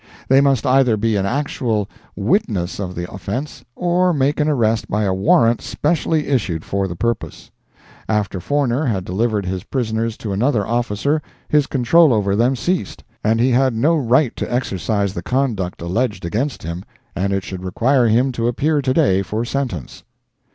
They must either be an actual witness of the offence or make an arrest by a warrant specially issued for the purpose. After Forner had delivered his prisoners to another officer his control over them ceased, and he had no right to exercise the conduct alleged against him, and it should require him to appear to day for sentence.